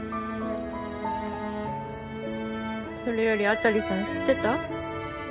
それより辺さん知ってた？